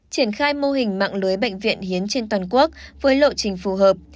triển khai mô hình mạng lưới bệnh viện hiến trên toàn quốc với lộ trình phù hợp